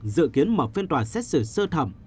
dự kiến mở phiên tòa xét xử sơ thẩm